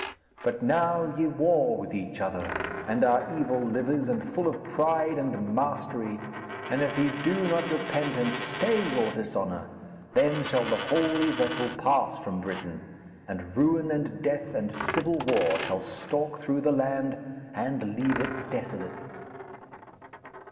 But now ye war with each other, and are evil livers and full of pride and mastery, and if ye do not repent and stay your dishonour, then shall the Holy Vessel pass from Britain, and ruin and death and civil war shall stalk through the land and leave it desolate.'